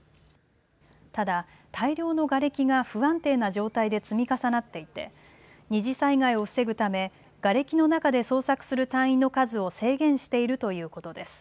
ただ大量のがれきが不安定な状態で積み重なっていて二次災害を防ぐため、がれきの中で捜索する隊員の数を制限しているということです。